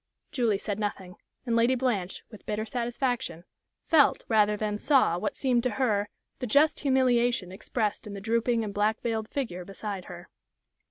Julie said nothing, and Lady Blanche, with bitter satisfaction, felt rather than saw what seemed to her the just humiliation expressed in the drooping and black veiled figure beside her.